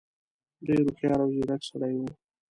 ډېر هوښیار او ځيرک سړی وو.